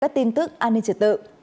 các tin tức an ninh trật tự